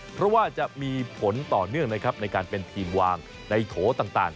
เพราะว่าจะมีผลต่อเนื่องนะครับในการเป็นทีมวางในโถต่าง